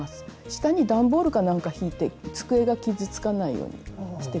下に段ボールかなんかひいて机が傷つかないようにして下さい。